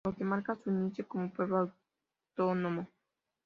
Lo que marca su inicio como pueblo autónomo.